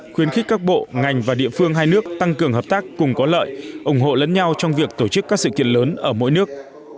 khuyến khích các bộ ngành và địa phương hai nước tăng cường hợp tác cùng có lợi ủng hộ lẫn nhau trong việc tổ chức các sự kiện lớn ở mỗi nước